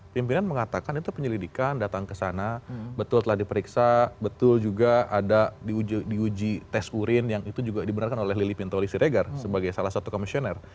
pimpinan mengatakan itu penyelidikan datang ke sana betul telah diperiksa betul juga ada diuji tes urin yang itu juga dibenarkan oleh lili pintoli siregar sebagai salah satu komisioner